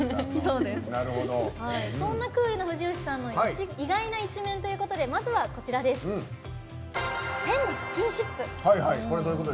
そんなクールな藤吉さんの意外な一面ということでまずは変なスキンシップ。